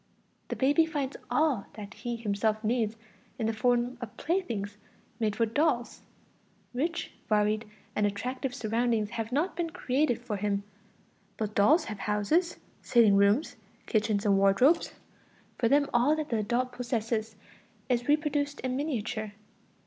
The baby finds all that he himself needs in the form of playthings made for dolls; rich, varied and attractive surroundings have not been created for him, but dolls have houses, sitting rooms, kitchens and wardrobes; for them all that the adult possesses is reproduced in miniature.